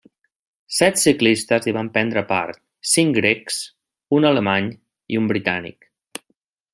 Set ciclistes hi van prendre part, cinc grecs, un alemany i un britànic.